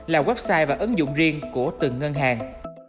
là website và ứng dụng riêng của từng ngân hàng